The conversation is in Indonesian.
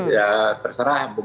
ya pertama saya sedikit mengoreksi